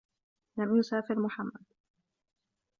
لَمْ يُسَافِرْ مُحَمَّدٌ.